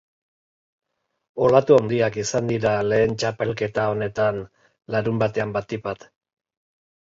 Olatu handiak izan dira lehen txapelketa honetan, larunbatean batipat.